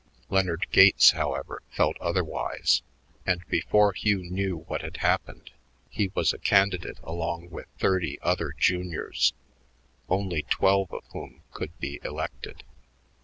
Leonard Gates, however, felt otherwise; and before Hugh knew what had happened he was a candidate along with thirty other juniors, only twelve of whom could be elected.